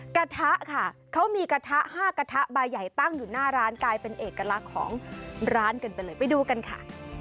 กระทะค่ะเขามีกระทะ๕กระทะใบใหญ่ตั้งอยู่หน้าร้านกลายเป็นเอกลักษณ์ของร้านกันไปเลยไปดูกันค่ะ